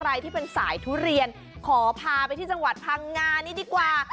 ใครที่เป็นสายทุเรียนขอพาไปที่จังหวัดพังงานี้ดีกว่า